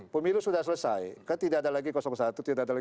pemilu sudah selesai kan tidak ada lagi satu tidak ada lagi